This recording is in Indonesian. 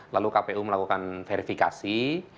lalu kpu melakukan verifikasi